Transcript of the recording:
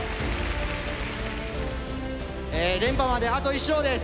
連覇まであと１勝です。